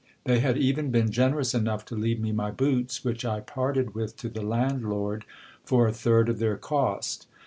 They had even been generous enough to leave me my boots, which I parted with to the landlord for a third of their cost.